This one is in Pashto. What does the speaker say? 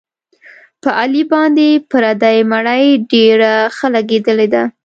په علي باندې پردۍ مړۍ ډېره ښه لګېدلې ده.